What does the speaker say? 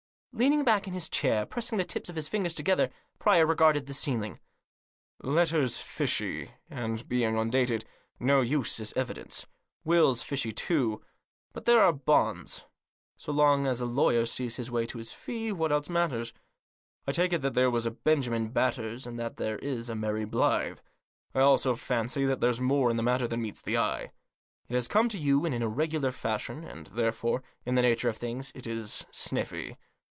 Leaning back in his chair, pressing the tips of his fingers together, Pryor regarded the ceiling. "Letter's fishy, and, being undated, no use as evidence. Will's fishy, too. But there are the bonds Digitized by COUNSEL'S OPINION. 167 So long as a lawyer sees his way to his fee, what else matters ? I take it that there was a Benjamin Batters, and that there is a Mary Blyth. I also fancy that there's more in the matter than meets the eye. It has come to you in an irregular fashion, and therefore, in the nature of things, it is sniffy.